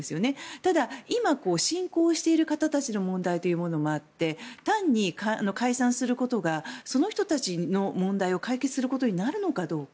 ただ、今、信仰している方たちの問題もあって単に解散することがその人たちの問題を解決することになるのかどうか。